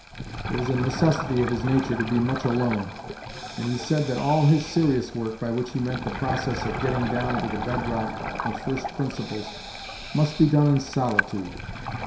It was a necessity of his nature to be much alone; and he said that all his serious work by which he meant the process of getting down to the bed rock of first principles must be done in solitude.